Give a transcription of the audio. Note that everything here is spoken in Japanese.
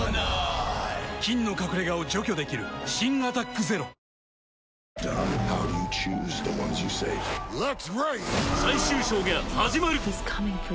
菌の隠れ家を除去できる新「アタックＺＥＲＯ」あっ！